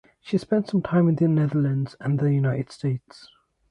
She spent some time in the Netherlands and the United States.